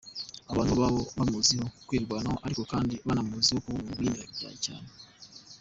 Abantu baba bamuziho kwirwanaho ariko kandi banamuziho kuba umuntu wiyemera bya cyane.